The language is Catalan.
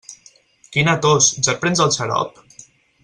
Quina tos, ja et prens el xarop?